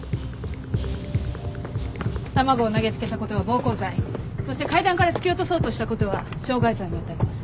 卵を投げ付けたことは暴行罪そして階段から突き落とそうとしたことは傷害罪に当たります。